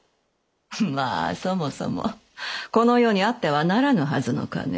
まあそもそもこの世にあってはならぬはずの金。